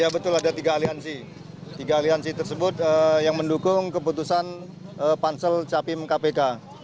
ya betul ada tiga aliansi tiga aliansi tersebut yang mendukung keputusan pansel capim kpk